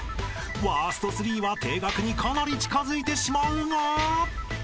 ［ワースト３は停学にかなり近づいてしまうが］